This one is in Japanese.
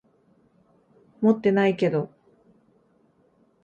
持ってないけど。